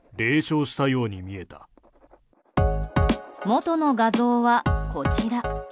元の画像は、こちら。